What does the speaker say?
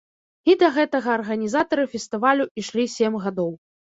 І да гэтага арганізатары фестывалю ішлі сем гадоў.